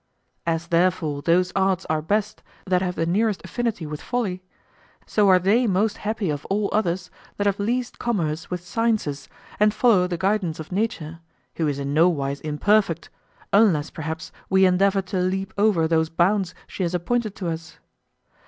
As therefore those arts are best that have the nearest affinity with folly, so are they most happy of all others that have least commerce with sciences and follow the guidance of Nature, who is in no wise imperfect, unless perhaps we endeavor to leap over those bounds she has appointed to us.